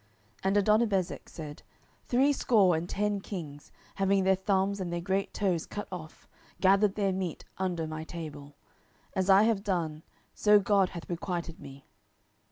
07:001:007 And Adonibezek said, Threescore and ten kings, having their thumbs and their great toes cut off, gathered their meat under my table: as I have done, so God hath requited me.